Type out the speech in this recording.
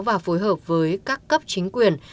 và phối hợp với các cấp chính quyền